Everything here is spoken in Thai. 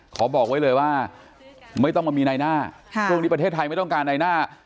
บอกไว้เลยว่าไม่ต้องมามีในหน้าช่วงนี้ประเทศไทยไม่ต้องการในหน้า